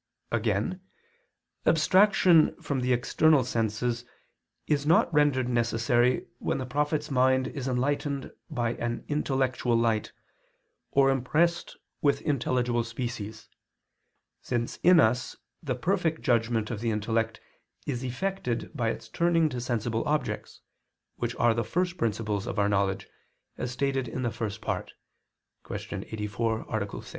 Again, abstraction from the external senses is not rendered necessary when the prophet's mind is enlightened by an intellectual light, or impressed with intelligible species, since in us the perfect judgment of the intellect is effected by its turning to sensible objects, which are the first principles of our knowledge, as stated in the First Part (Q. 84, A. 6).